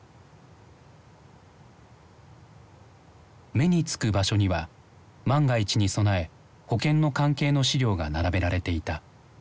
目につく場所には万が一に備え保険の関係の資料が並べられていた。